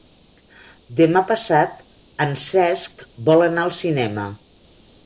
Demà passat en Cesc vol anar al cinema.